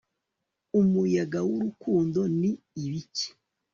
umuyaga wurukundo ni ibiki